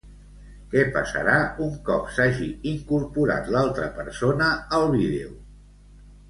Què passarà un cop s'hagi incorporat l'altra persona al vídeo?